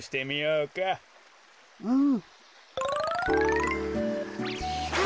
うん。